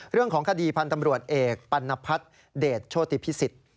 เรื่องของคดีพันธ์ตำรวจเอกปัณพัฒน์เดชโชติพิสิทธิ์